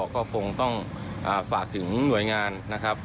ก็คงต้องฝากถึงหน่วยงานนะครับ